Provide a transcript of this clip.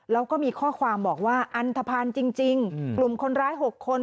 แล้วก็มีข้อความบอกว่าอันทภัณฑ์จริงกลุ่มคนร้าย๖คน